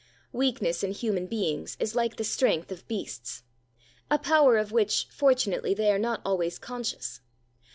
Weakness in human beings is like the strength of beasts, a power of which fortunately they are not always conscious.